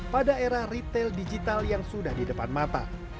pada era retail digital yang sudah di depan mata